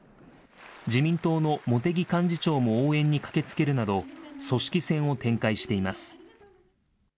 自民党の茂木幹事長も応援に駆けつけるなど、組織戦を展開しています。